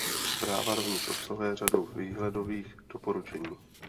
Zpráva rovněž obsahuje řadu výhledových doporučení.